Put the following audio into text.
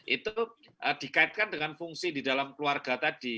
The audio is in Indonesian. itu dikaitkan dengan fungsi di dalam keluarga tadi